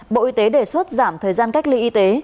bộ y tế đề xuất giảm thời gian cách ly y tế